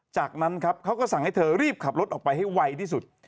จากนั้นครับเขาก็สั่งให้เธอรีบขับรถออกไปให้ไวที่สุด